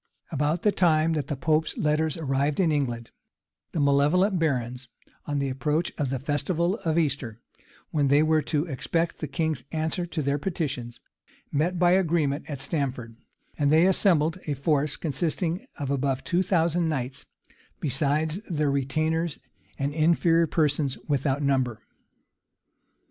About the time that the pope's letters arrived in England, The malevolent barons, on the approach of the festival of Easter, when they were to expect the king's answer to their petition, met by agreement at Stamford; and they assembled a force, consisting of above two thousand knights, besides then retainers and inferior persons without number.